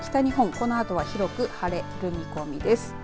このあとは広く晴れる見込みです。